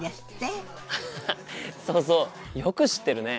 アハハそうそうよく知ってるね。